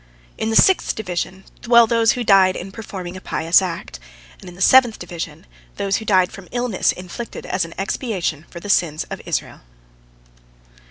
In the sixth division dwell those who died in performing a pious act, and in the seventh division those who died from illness inflicted as an expiation for the sins of Israel.